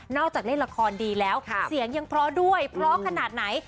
จากเล่นละครดีแล้วเสียงยังเพราะด้วยเพราะขนาดไหน